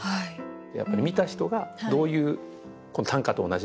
やっぱり見た人がどういう短歌と同じで。